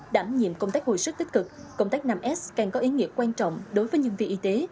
đảm nhiệm công tác hồi sức tích cực công tác năm s càng có ý nghĩa quan trọng đối với nhân viên y tế